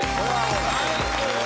ナイス！